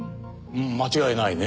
間違いないね。